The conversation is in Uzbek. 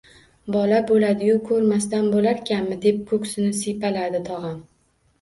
– Bola bo‘ladi-yu, ko‘rmasdan bo‘larkanmi? – deb ko‘ksini siypaladi tog‘am